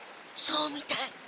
そうみたい。